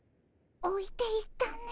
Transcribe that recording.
おいていったね。